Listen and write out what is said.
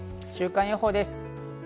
週間予報です。